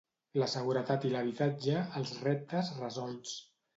La seguretat i l'habitatge, els reptes resolts.